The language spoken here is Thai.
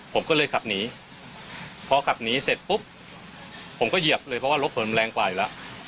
ผมก็เลยขับหนีพอขับหนีเสร็จปุ๊บผมก็เหยียบเลยเพราะว่ารถผมแรงกว่าอยู่แล้ว